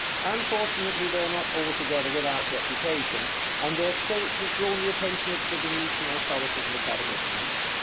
Unfortunately they are not altogether without reputation, and their state has drawn the attention of the Venetian authorities and academicians.